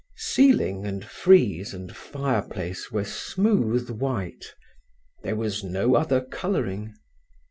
Ceiling and frieze and fireplace were smooth white. There was no other colouring.